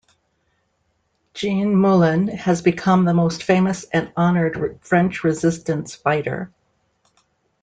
Jean Moulin has become the most famous and honored French Resistance fighter.